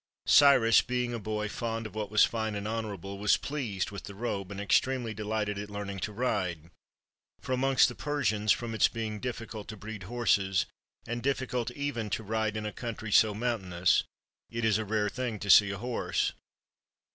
Cyrus, being a boy fond of what was fine and honorable, was pleased with the robe, and extremely deUghted at learning to ride; for, amongst the Persians, from its being difficult to breed horses, and difficult even to ride in a country so moun tainous, it is a rare thing to see a horse.